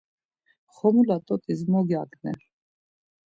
Xomula t̆ot̆is mot gyaǩne!